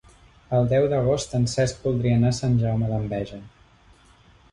El deu d'agost en Cesc voldria anar a Sant Jaume d'Enveja.